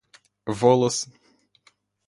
волос